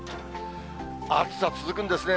暑さ続くんですね。